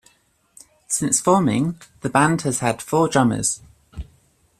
Since forming, the band has had four drummers.